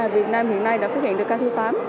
việt nam hiện nay đã phát hiện được ca thi phám